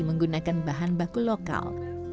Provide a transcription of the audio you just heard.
menggunakan bahan baku lokal